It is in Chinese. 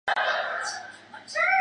节目亦有听众来信时间的环节。